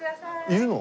いるの？